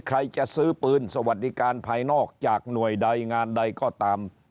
ใครจะซื้อปืนสวัสดิการภายนอกจากหน่วยใดงานใดก็ตาม